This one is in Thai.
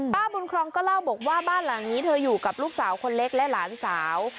บุญครองก็เล่าบอกว่าบ้านหลังนี้เธออยู่กับลูกสาวคนเล็กและหลานสาว